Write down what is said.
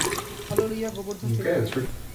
আলো লইয়া গোবর্ধন চলিয়া গেল।